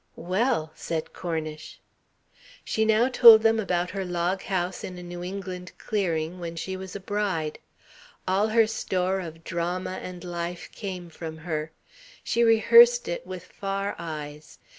"Well!" said Cornish. She now told them about her log house in a New England clearing, when she was a bride. All her store of drama and life came from her. She rehearsed it with far eyes.